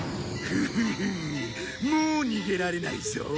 フフフもう逃げられないぞ。